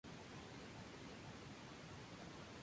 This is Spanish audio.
Corteza de color gris-cenicienta.